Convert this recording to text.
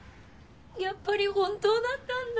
やっぱり本当だったんだ。